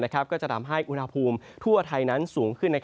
ก็จะทำให้อุณหภูมิทั่วไทยนั้นสูงขึ้น